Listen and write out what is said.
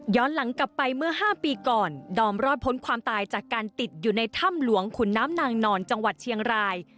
หลังกลับไปเมื่อ๕ปีก่อนดอมรอดพ้นความตายจากการติดอยู่ในถ้ำหลวงขุนน้ำนางนอนจังหวัดเชียงราย